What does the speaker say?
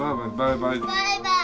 バイバーイ。